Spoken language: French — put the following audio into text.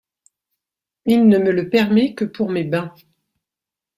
Il ne me le permet que pour mes bains.